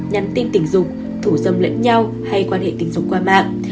nhắn tin tình dục thủ dâm lẫn nhau hay quan hệ tình dục qua mạng